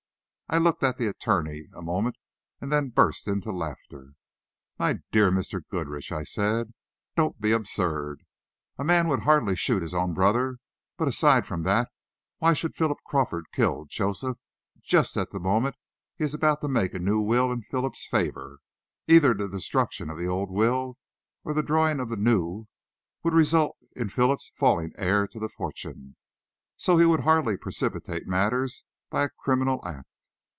I looked at the attorney a moment, and then burst into laughter. "My dear Mr. Goodrich," I said, "don't be absurd! A man would hardly shoot his own brother, but aside from that, why should Philip Crawford kill Joseph just at the moment he is about to make a new will in Philip's favor? Either the destruction of the old will or the drawing of the new would result in Philip's falling heir to the fortune. So he would hardly precipitate matters by a criminal act.